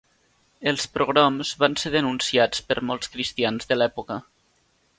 Els pogroms van ser denunciats per molts cristians de l'època.